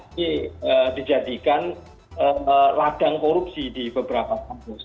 ini dijadikan ladang korupsi di beberapa kampus